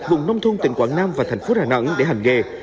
vùng nông thôn tỉnh quảng nam và thành phố đà nẵng để hành nghề